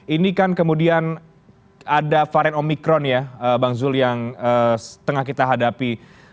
ini kan kemudian ada varian omikron ya bang zul yang tengah kita hadapi